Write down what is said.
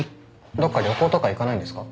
どっか旅行とか行かないんですか？